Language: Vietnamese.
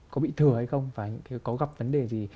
có bị thừa hay không và có gặp vấn đề gì